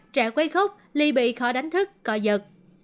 trẻ quay khúc ly bị khó đánh thức cọ giật